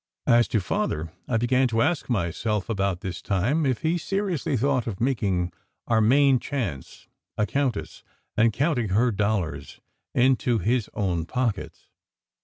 As to Father, I began to ask myself about this time if he seriously thought of making our "Main Chance" a countess, and counting her dollars into his own pockets.